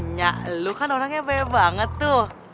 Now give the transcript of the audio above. nyak lo kan orangnya pere banget tuh